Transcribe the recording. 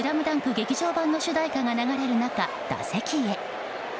劇場版の主題歌が流れる中、打席へ。